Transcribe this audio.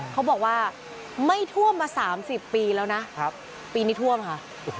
เขาบอกว่าไม่ท่วมมา๓๐ปีแล้วนะปีนี้ท่วมค่ะ